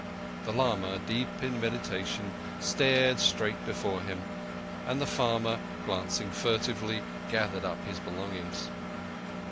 The lama, deep in meditation, stared straight before him; and the farmer, glancing furtively, gathered up his belongings.